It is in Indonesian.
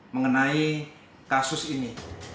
mengenai kasus ini